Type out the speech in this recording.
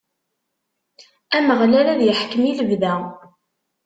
Ameɣlal ad iḥkem i lebda.